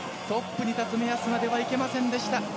トップに立つ目安まではいけませんでした。